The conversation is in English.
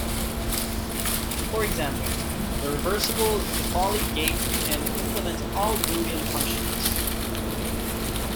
For example, the reversible Toffoli gate can implement all Boolean functions.